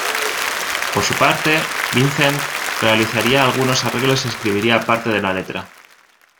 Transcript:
Por su parte, Vincent realizaría algunos arreglos y escribiría parte de la letra.